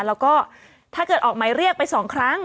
แล้วก็ถ้าเกิดออกหมายเรียกไป๒ครั้ง